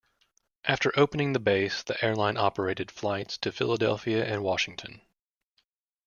After opening the base, the airline operated flights to Philadelphia and Washington.